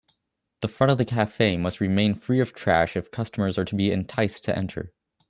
The front of the cafe must remain free of trash if customers are to be enticed to enter